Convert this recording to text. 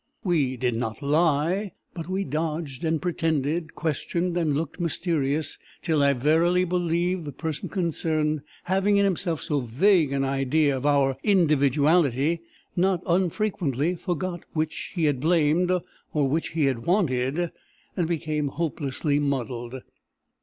We did not lie, but we dodged and pretended, questioned and looked mysterious, till I verily believe the person concerned, having in himself so vague an idea of our individuality, not unfrequently forgot which he had blamed, or which he had wanted, and became hopelessly muddled.